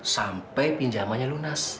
sampai pinjamannya lunas